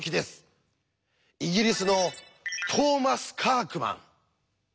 イギリスのトーマス・カークマン。